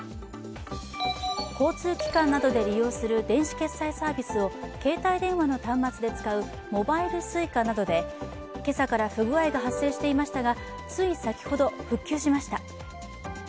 交通機関などで利用する電子決済サービスを携帯電話の端末で使うモバイルＳｕｉｃａなどで今朝から不具合が発生していましたがつい先ほど復旧しました。